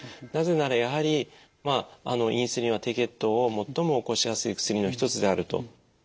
なぜならやはりまあインスリンは低血糖を最も起こしやすい薬の一つであると。